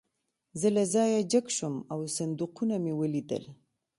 زه له ځایه جګ شوم او صندوقونه مې ولیدل